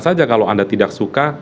saja kalau anda tidak suka